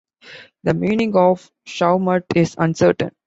The meaning of "Shawmut" is uncertain.